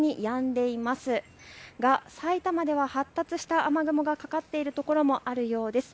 ですが埼玉では発達した雨雲がかかっているところもあるようです。